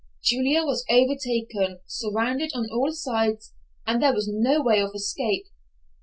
Julia was overtaken, surrounded on all sides, and there was no way of escape.